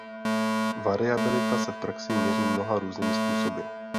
Variabilita se v praxi měří mnoha různými způsoby.